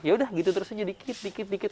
ya udah gitu terus aja dikit dikit dikit